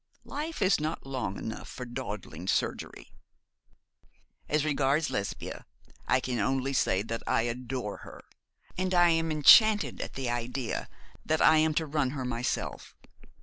Life is not long enough for dawdling surgery. 'As regards Lesbia, I can only say that I adore her, and I am enchanted at the idea that I am to run her myself.